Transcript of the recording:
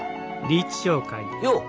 よう！